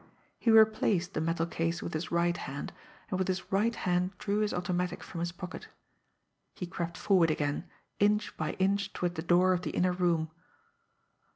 He replaced the metal case with his right hand, and with his right hand drew his automatic from his pocket. He crept forward again, inch by inch toward the door of the inner room.